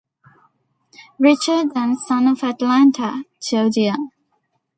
Richard and Son of Atlanta, Georgia.